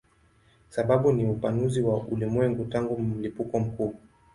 Sababu ni upanuzi wa ulimwengu tangu mlipuko mkuu.